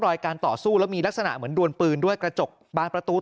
รอยการต่อสู้แล้วมีลักษณะเหมือนดวนปืนด้วยกระจกบานประตู